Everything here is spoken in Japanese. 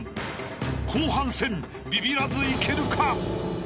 ［後半戦ビビらずいけるか？］